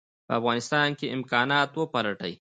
په افغانستان کې امکانات وپلټي.